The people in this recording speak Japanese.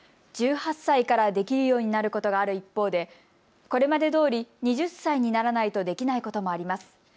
１８歳からできるようになることがある一方でこれまでどおり２０歳にならないとできないこともあります。